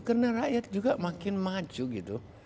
karena rakyat juga makin maju gitu